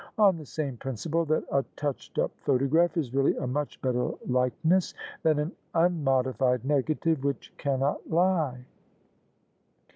" On the same principle that a touched up photograph is really a much better likeness than an unmodified negative which cannot lie."